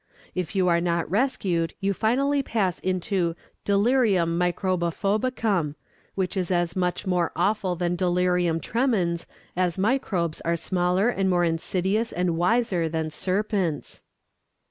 If you are not rescued, you finally pass into delirium microbophobicum, which is as much more awful than delirium tremens as microbes are smaller and more insidious and wiser than serpents.